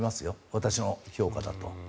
私の評価だと。